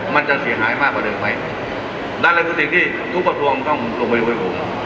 มันจะเสียหายมากกว่าเดิมไหมนั่นแหละคือสิ่งที่ทุกกระทรวงต้องลงไปช่วยผม